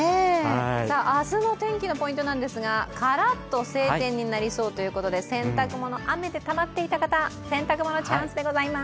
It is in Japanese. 明日の天気のポイントなんですがカラッと晴天になりそうということで、洗濯物、雨でたまっていた方洗濯のチャンスでございます。